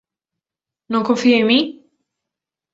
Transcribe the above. Não confia em mim?